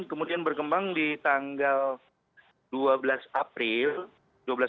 kemudian berkembang di tanggal dua belas april